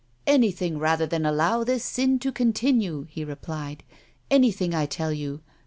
" Anything, rather than allow this sin to continue," he replied. " Anything, I tell you.